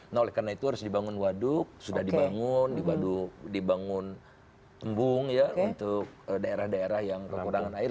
nah oleh karena itu harus dibangun waduk sudah dibangun embung ya untuk daerah daerah yang kekurangan air